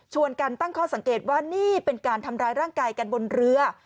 กันตั้งข้อสังเกตว่านี่เป็นการทำร้ายร่างกายกันบนเรือ